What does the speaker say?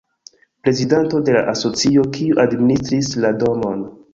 Prezidanto de la asocio, kiu administris la domon.